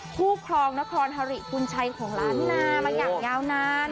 ผู้ครองนครฮริคุณชัยของล้านนามาอย่างยาวนานค่ะ